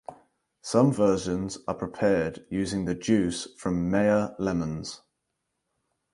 Some versions are prepared using the juice from Meyer lemons.